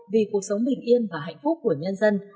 vì cuộc sống bình yên và hạnh phúc của nhân dân